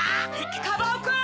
カバオくん！